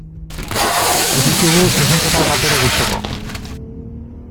Ez ditugu zezenketak batere gustuko.